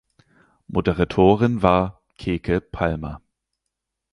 Moderatorin war Keke Palmer.